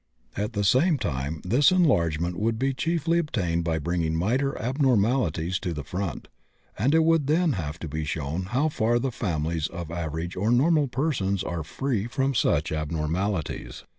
At the same time this enlargement would be chiefly obtained by bringing minor abnormalities to the front, and it would then have to be shown how far the families of average or normal persons are free from such abnormalities.